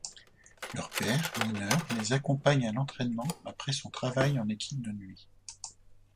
Leur père, mineur, les accompagne à l'entraînement après son travail en équipe de nuit.